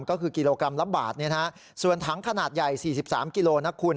ก็คือกิโลกรัมละบาทส่วนถังขนาดใหญ่๔๓กิโลนะคุณ